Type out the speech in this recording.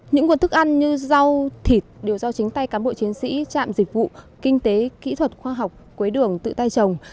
những nguồn thức ăn như rau thịt đều do chính tay cán bộ chiến sĩ trạm dịch vụ kinh tế kỹ thuật khoa học quế đường tự tay trồng